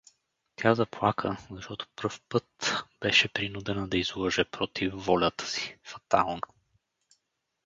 Тя заплака, защото пръв път беше принудена да излъже, против волята си, фатално.